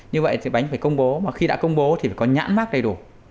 như vậy thì bánh phải công bố mà khi đã công bố thì phải có nhãn mát đầy đủ